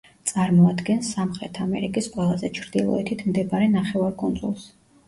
წარმოადგენს სამხრეთ ამერიკის ყველაზე ჩრდილოეთით მდებარე ნახევარკუნძულს.